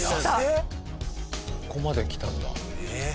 ここまで来たんだ。